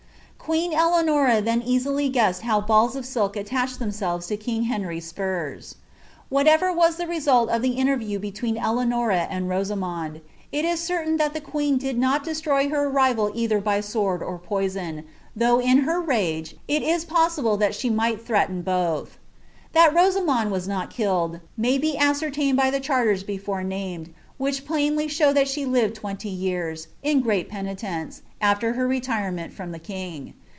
t{iieL'[i Eleanora then raaily giirswd how balls of silk atuclied ihftni tdvea to tint; Henry's spurs, WhaieTer waa ths result of ihc inierview between Elcanora and Kosamond, it is certain that ihe qneen did nni deviroy her rival cither by sword or poison, tiKiugb io ht r ngc ii is poMihlc that she mi)ilit tiireBien both. Thai Rosamond was not ktiy. may be ascertained by ilie ch&ricrB before named, which plainly tbon that she lived tweiiiy years, in j^rcai peniirnce , after her rvtiremeal froii the kin^.